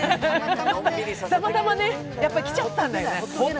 たまたまね、やっぱり来ちゃったんだよね。